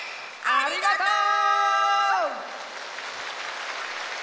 ありがとう！